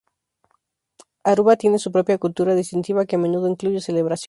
Aruba tiene su propia cultura distintiva, que a menudo incluye celebraciones.